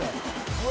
うわ！